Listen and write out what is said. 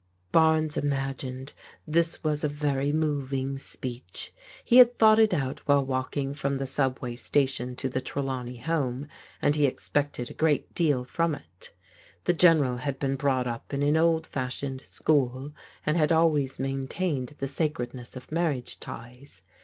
Barnes imagined this was a very moving speech. He had thought it out while walking from the subway station to the Trelawney home, and he expected a great deal from it. The General had been brought up in an old fashioned school and had always maintained the sacred ness of marriage ties.